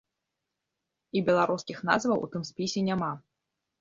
І беларускіх назваў у тым спісе няма.